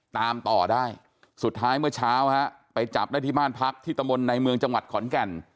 ตามต่อได้สุดท้ายเมื่อเช้าฮะไปจับได้ที่บ้านพักที่ตะมนต์ในเมืองจังหวัดขอนแก่น